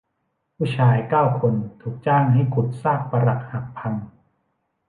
ผู้ชายเก้าคนถูกจ้างให้ขุดซากปรักหักพัง